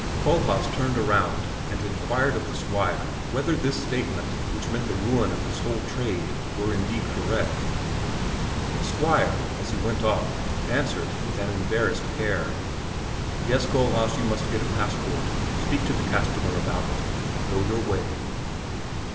Kohlhaas turned around and inquired of the Squire whether this statement, which meant the ruin of his whole trade, were indeed correct. The Squire, as he went off, answered with an embarrassed air, "Yes, Kohlhaas, you must get a passport. Speak to the castellan about it, and go your way."